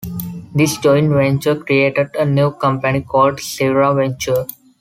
This joint venture created a new company called Sierra Venture.